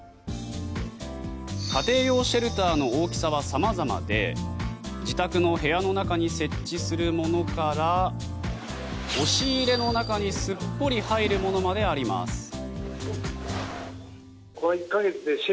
家庭用シェルターの大きさは様々で自宅の部屋の中に設置するものから押し入れの中にすっぽり入るものまであります。